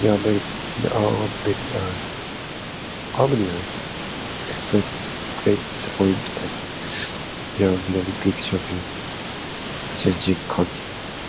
Many Armenians expressed great disappointment in their only Olympic Champion changing countries.